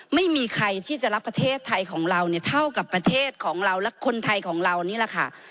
ไม่มีใครที่จะรับประเทศไทยของเราเนี่ยเท่ากับประเทศของเราและคนไทยของเรานี่แหละค่ะ